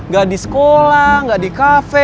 gak di sekolah nggak di kafe